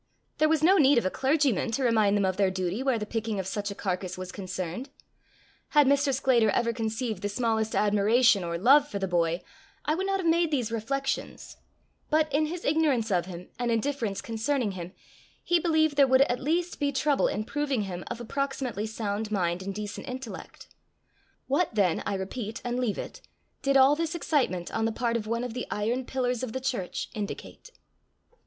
There was no need of a clergyman to remind them of their duty where the picking of such a carcase was concerned. Had Mr. Sclater ever conceived the smallest admiration or love for the boy, I would not have made these reflections; but, in his ignorance of him and indifference concerning him, he believed there would at least be trouble in proving him of approximately sound mind and decent intellect. What, then, I repeat and leave it, did all this excitement on the part of one of the iron pillars of the church indicate?